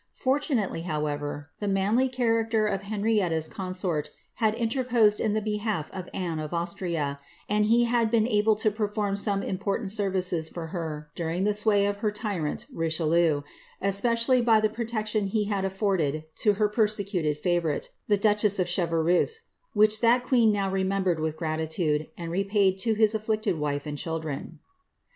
Fortunately, however, the manlj character of Henrietta's consort had interposed in the behalf of Anne of Austria, and he had been able to perform some important services for her during the sway of her tyrant Richelieu, especially by the proles tion he had affbrded to her persecuted favourite, the duchess of Cher reuse, which that queen now remembered with gratitude, and repaid to his afflicted wife and children.